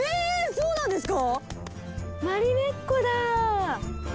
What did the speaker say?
そうなんですか？